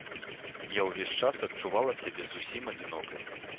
Я ўвесь час адчувала сябе зусім адзінокай.